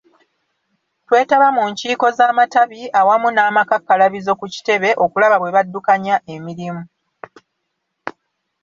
Twetaba mu nkiiko z’amatabi awamu n’amakakkalabizo ku kitebe okulaba bwe baddukanya emirimu.